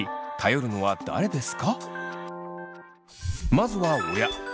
まずは親。